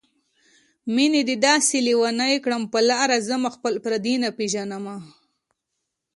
مينې دې داسې لېونی کړم په لاره ځم خپل او پردي نه پېژنمه